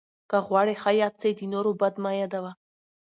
که غواړې ښه یاد سې، د نور بد مه یاد وه.